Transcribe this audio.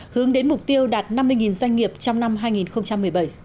hướng đến mục tiêu đạt năm mươi doanh nghiệp trong năm hai nghìn một mươi bảy